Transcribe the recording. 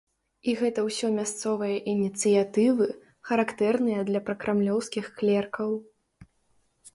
І гэта ўсё мясцовыя ініцыятывы, характэрныя для пракрамлёўскіх клеркаў.